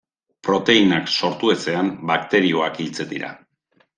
Proteinak sortu ezean bakterioak hiltzen dira.